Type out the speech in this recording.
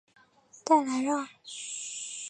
代兰让。